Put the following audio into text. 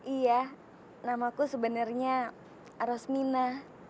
iya namaku sebenarnya rosmina